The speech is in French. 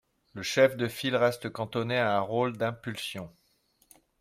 Le chef de file reste cantonné à un rôle d’impulsion.